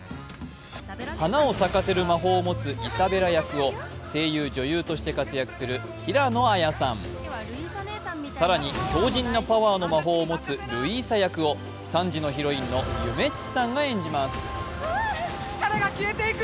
花を咲かせる魔法を持つイサベラ役を声優、女優として活躍する平野綾さん、更に、強じんなパワーの魔法を持つルイーサ役を３時のヒロインのゆめっちさんが演じます。